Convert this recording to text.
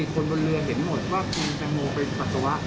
๔คนบนเรือเห็นหมดว่าคุณแจงโมเป็นศักดิ์ขวะ